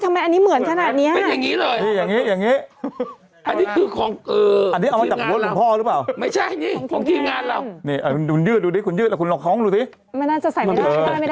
ทำไมอันนี้เหมือนขนาดเนี้ยมันอย่างงี้เลยอย่างงี้อย่างงี้